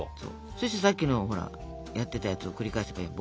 そしてさっきのほらやってたやつを繰り返せばいいの。